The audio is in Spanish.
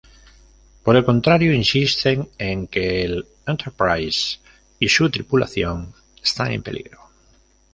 Por el contrario, insisten en que el "Enterprise" y su tripulación están en peligro.